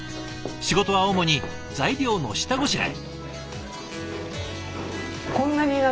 仕事は主に材料の下ごしらえ。